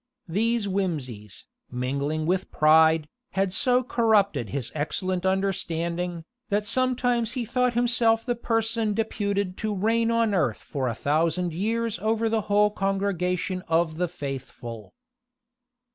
These whimseys, mingling with pride, had so corrupted his excellent understanding, that sometimes he thought himself the person deputed to reign on earth for a thousand years over the whole congregation of the faithful.